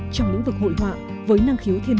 trong lĩnh vực hội họa